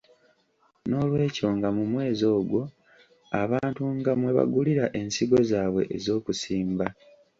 Noolwekyo nga mu mwezi ogwo abantu nga mwe bagulira ensigo zaabwe ez'okusimba.